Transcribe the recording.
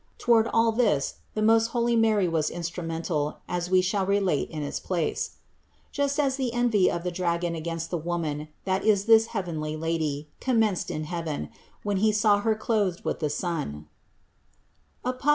Toward all this the most holy Mary was instrumental, as we shall relate in its place (Vol. Ill, 653). Just as the envy of the dragon against the Woman, that is this heavenly Lady, commenced in heaven, when he saw Her clothed with the sun (Apoc.